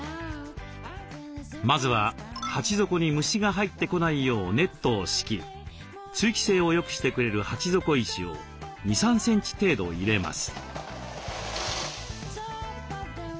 まずは鉢底に虫が入ってこないようネットを敷き通気性をよくしてくれる鉢底石を２３センチ程度入れます。